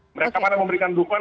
mereka pada memberikan dukungan